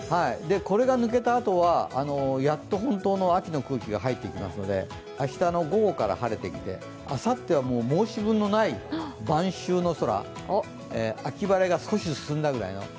これが抜けたあとはやっと本当の秋の空気がやってきますので明日の午後から晴れてきて、あさっては申し分のない晩秋の空、秋晴れが少し進んだぐらいの。